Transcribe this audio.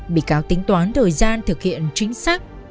bị cáo tính toán thời gian thực hiện chính xác